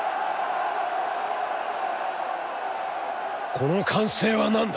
「この歓声はなんだ！